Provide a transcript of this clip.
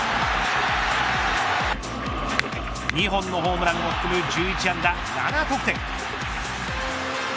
２本のホームランを含む１１安打、７得点。